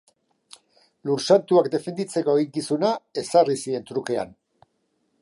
Lur Santuak defenditzeko eginkizuna ezarri zien trukean.